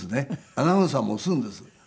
アナウンサーも押すんです。